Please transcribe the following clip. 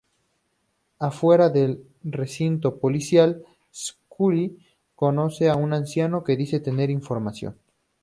Afuera del recinto policial, Scully conoce a un anciano que dice tener información.